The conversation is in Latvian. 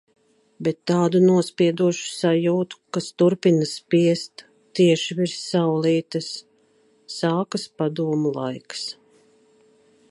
Bet tādu nospiedošu sajūtu, kas turpina spiest, tieši virs "saulītes". Sākas padomu laiks.